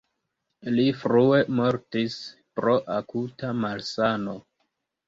Li frue mortis pro akuta malsano.